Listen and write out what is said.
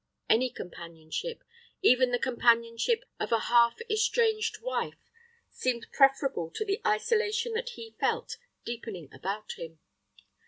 Any companionship, even the companionship of a half estranged wife, seemed preferable to the isolation that he felt deepening about him.